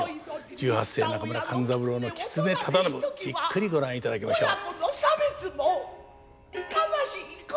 十八世中村勘三郎の狐忠信じっくりご覧いただきましょう。